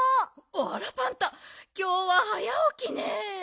あらパンタきょうは早おきね。